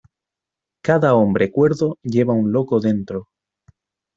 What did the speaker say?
Cada hombre cuerdo lleva un loco dentro.